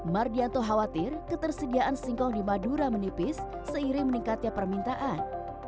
mardianto khawatir ketersediaan singkong di madura menipis seiring meningkatnya permintaan